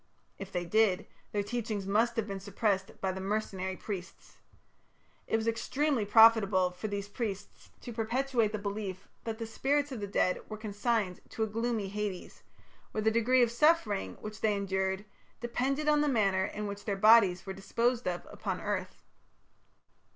If they did, their teachings must have been suppressed by the mercenary priests. It was extremely profitable for these priests to perpetuate the belief that the spirits of the dead were consigned to a gloomy Hades, where the degree of suffering which they endured depended on the manner in which their bodies were disposed of upon earth.